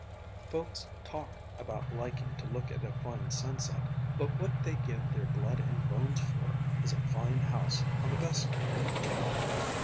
Folks talk about liking to look at a fine sunset, but what they give their blood and bones for, is a fine house on the best street in town!"